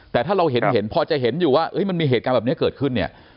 แต่ถ้าเราเห็นพอจะเห็นอยู่ว่ามันมีเหตุการณ์แบบนี้เกิดขึ้นเนี่ย